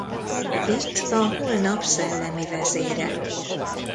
Itt A Holnap szellemi vezére.